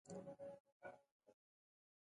دا کباب زړونه رېبي.